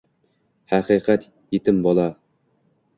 — Haqiqat — yetim bola…